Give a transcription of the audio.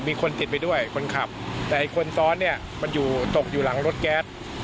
มีคนติดไปด้วยคนขับแต่ไอ้คนซ้อนเนี่ยมันอยู่ตกอยู่หลังรถแก๊ส